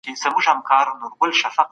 قبايلي ادب حماسي اساس لري.